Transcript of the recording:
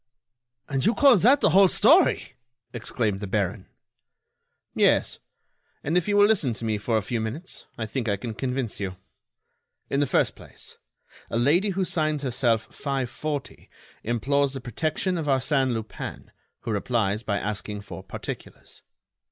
"And you call that the whole story!" exclaimed the baron. "Yes, and if you will listen to me for a few minutes, I think I can convince you. In the first place, a lady who signs herself 540 implores the protection of Arsène Lupin, who replies by asking for particulars.